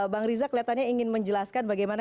bang riza kelihatannya ingin menjelaskan bagaimana